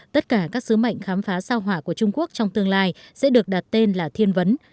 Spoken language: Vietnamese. tất cả các sứ mệnh khám phá sao hỏa của trung quốc trong tương lai sẽ được đặt tên là thiên vấn